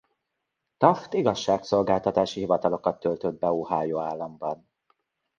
Taft igazságszolgáltatási hivatalokat töltött be Ohió államban.